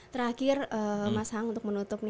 terakhir mas hang untuk menutupnya